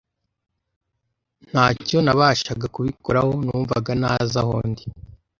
Nta cyo nabashaga kubikoraho, numvaga ntazi aho ndi,